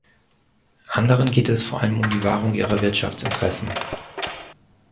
Anderen geht es vor allem um die Wahrung ihrer Wirtschaftsinteressen.